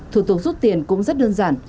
thủ tục rút tiền cũng rất đơn giản